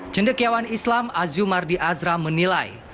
cendekiawan islam azumardi azra menilai